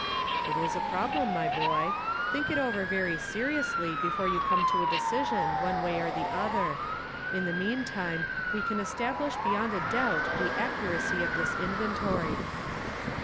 "It is a problem, my boy. Think it over very seriously before you come to a decision, one way or the other. In the meantime, we can establish beyond a doubt the accuracy of this inventory."